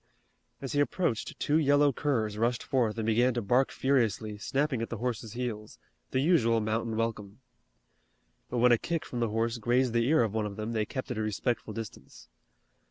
As he approached two yellow curs rushed forth and began to bark furiously, snapping at the horse's heels, the usual mountain welcome. But when a kick from the horse grazed the ear of one of them they kept at a respectful distance.